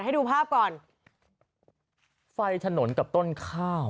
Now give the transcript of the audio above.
ให้ดูภาพก่อนไฟถนนกับต้นข้าว